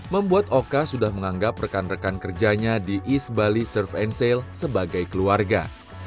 membuat oka sudah menganggap rekan rekan kerjanya di east bali surf and sale sebagai keluarga